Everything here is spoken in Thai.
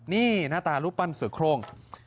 นี่หน้าตารูปปั้นเสือโครง